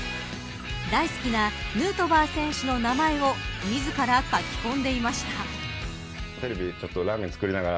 大好きなヌートバー選手の名前を自ら書き込んでいました。